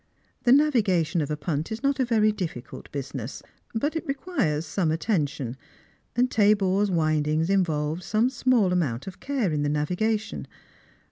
The navigation of a puut is not a very difficult business ; but it requires some attention, and Tabor's windings involved some small amount of care in the navigation.